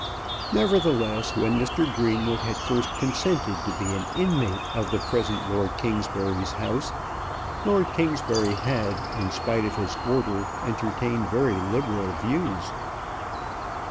Nevertheless, when Mr. Greenwood had first consented to be an inmate of the present Lord Kingsbury's house, Lord Kingsbury had, in spite of his Order, entertained very liberal views.